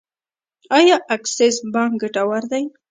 آیا اکسس بانک ګټور دی؟